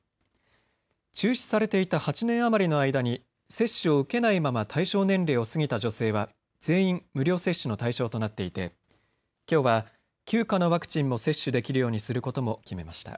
中止されていた８年余りの間に接種を受けないまま対象年齢を過ぎた女性は全員、無料接種の対象となっていてきょうは９価のワクチンも接種できるようにすることも決めました。